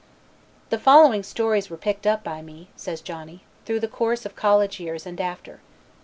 "The following stories were picked up by me," says Johnny, "through the course of college years, and after.